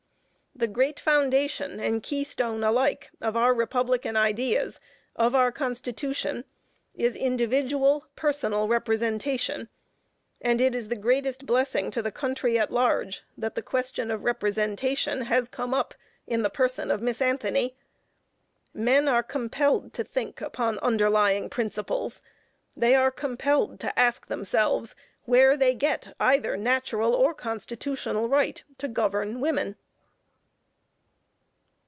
The great foundation and key stone alike of our Republican ideas, of our Constitution, is individual, personal representation, and it is the greatest blessing to the country at large that the question of representation has come up in the person of Miss Anthony. Men are compelled to think upon underlying principles. They are compelled to ask themselves where they get either natural or constitutional right to govern women.